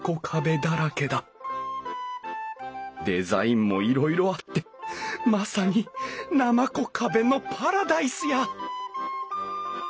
デザインもいろいろあってまさになまこ壁のパラダイスや！